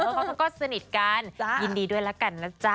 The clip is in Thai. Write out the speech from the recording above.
เพราะเขาก็สนิทกันยินดีด้วยแล้วกันนะจ๊ะ